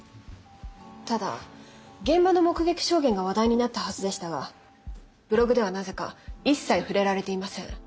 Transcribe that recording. ただ現場の目撃証言が話題になったはずでしたがブログではなぜか一切触れられていません。